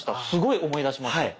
すごい思い出しました。